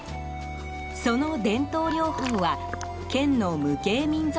その伝統漁法は県の無形民俗